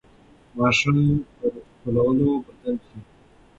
ماشوم پر ښکلولو بدل شي.